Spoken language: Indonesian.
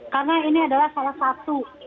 karena ini adalah salah satu